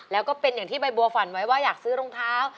แล้วก็เป็นอย่างที่ใบบัวฝันไว้ว่าอยากซื้อรองเท้า